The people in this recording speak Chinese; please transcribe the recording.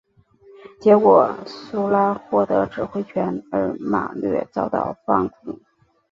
结果苏拉获得指挥权而马略遭到放逐。